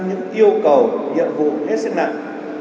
những yêu cầu nhiệm vụ hết sức nặng